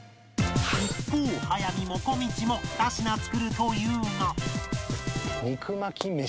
一方速水もこみちも２品作るというが